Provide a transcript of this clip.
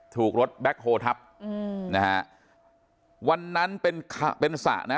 ถูกรถแบ็คโฮทับวันนั้นเป็นสระ